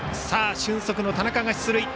俊足の田中が出塁。